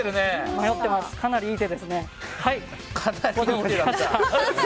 かなりいい手でしたね。